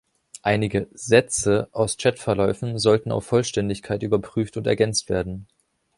Einige "Sätze" aus Chat-Verläufen sollten auf Vollständigkeit überprüft und ergänzt werden.